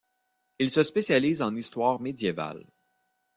Il se spécialise en histoire médiévale.